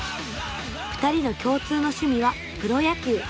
２人の共通の趣味はプロ野球。